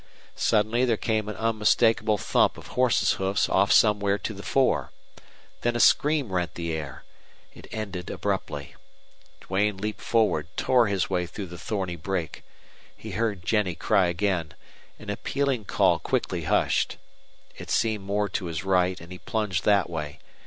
Suddenly there came an unmistakable thump of horses' hoofs off somewhere to the fore. Then a scream rent the air. It ended abruptly. Duane leaped forward, tore his way through the thorny brake. He heard Jennie cry again an appealing call quickly hushed. It seemed more to his right, and he plunged that way.